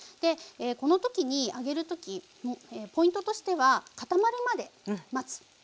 この時に揚げる時ポイントとしては固まるまで待つ。